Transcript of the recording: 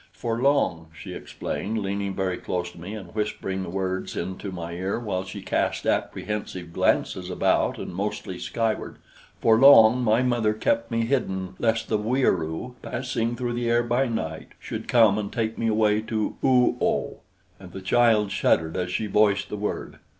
"For long," she explained, leaning very close to me and whispering the words into my ear while she cast apprehensive glances about and mostly skyward, "for long my mother kept me hidden lest the Wieroo, passing through the air by night, should come and take me away to Oo oh." And the child shuddered as she voiced the word.